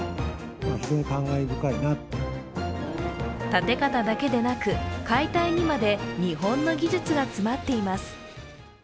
建て方だけでなく、解体にまで日本の技術が詰まっています。